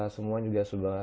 semua juga sudah